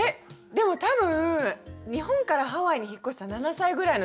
でも多分日本からハワイに引っ越した７歳ぐらいのときでした。